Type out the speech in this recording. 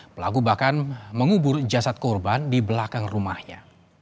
pelaku bahkan mengubur jasad korban di belakang rumahnya